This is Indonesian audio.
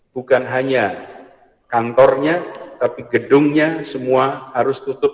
bukan hanya kantornya tapi gedungnya semua harus tutup